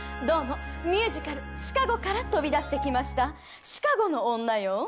どうも、ミュージカル、シカゴから飛び出してきました、シカゴの女よ。